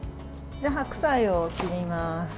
白菜を切ります。